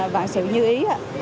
và sự dư ý